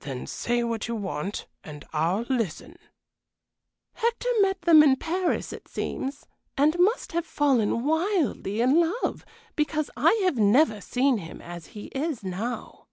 "Then say what you want, and I'll listen." "Hector met them in Paris, it seems, and must have fallen wildly in love, because I have never seen him as he is now."